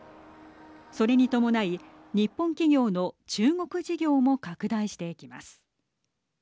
それに伴い、日本企業の中国事業も拡大していきます。